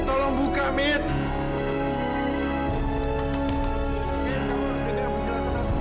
mita kamu harus dengar perjelasan aku mita